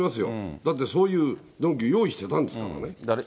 だってそういう鈍器用意してたんですからね。